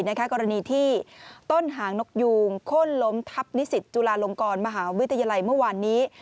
กรณีที่ต้นหางนกยูงโค้นล้มทับนิสิตจุฬาลงกรมหาวิทยาลัยเมื่อวานนี้